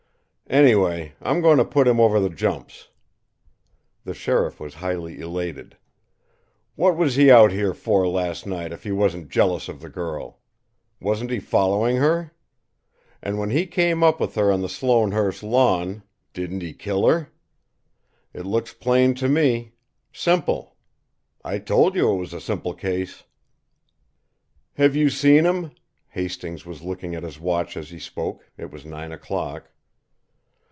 "Anyway, I'm going to put him over the jumps!" The sheriff was highly elated. "What was he out here for last night if he wasn't jealous of the girl? Wasn't he following her? And, when he came up with her on the Sloanehurst lawn, didn't he kill her? It looks plain to me; simple. I told you it was a simple case!" "Have you seen him?" Hastings was looking at his watch as he spoke it was nine o'clock.